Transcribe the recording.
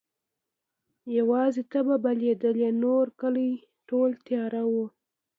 یواځي ته به بلېدې نورکلی ټول تیاره وو